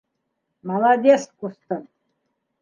- Молодец, ҡустым!